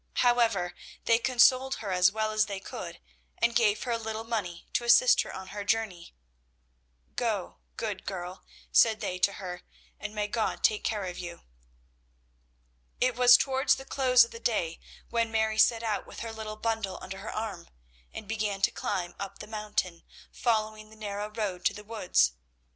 However, they consoled her as well as they could, and gave her a little money to assist her on her journey. "Go, good girl," said they to her, "and may God take care of you." It was towards the close of the day when Mary set out with her little bundle under her arm, and began to climb up the mountain, following the narrow road to the woods.